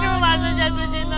mudah mudahan gak jatuh cinta ya